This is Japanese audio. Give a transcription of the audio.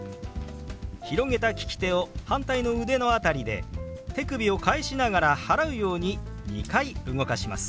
広げた利き手を反対の腕の辺りで手首を返しながら払うように２回動かします。